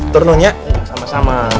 turn on ya sama sama